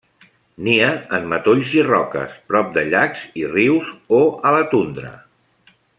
Nia en matolls i roques, prop de llacs i rius o a la tundra.